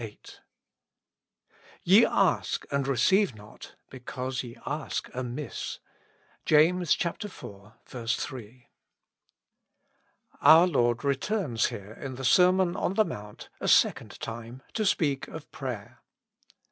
Ye ask, and receive not, because ye ask amiss. — ^Jas. iv. 3. OUR Lord returns here in the Sermon on the Mount a second time to speak of prayer.